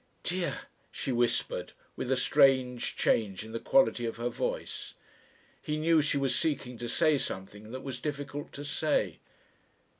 "Dear," she whispered, with a strange change in the quality of her voice. He knew she was seeking to say something that was difficult to say.